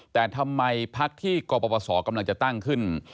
แต่ทำไมพักที่กรปศกำลังจะตั้งขึ้น